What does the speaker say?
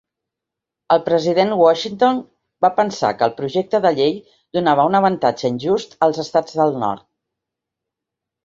El president Washington va pensar que el projecte de llei donava un avantatge injust als estats del nord.